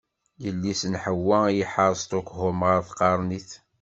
Yessi-s n Ḥewwa i iḥer Stukhulm ɣer tqarnit.